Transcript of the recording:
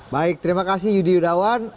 baik terima kasih yudi yudawan